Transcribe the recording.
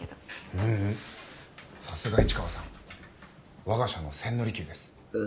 ううんさすが市川さん我が社の千利休です。